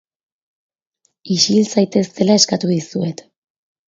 Ixil zaiteztela eskatu dizuet.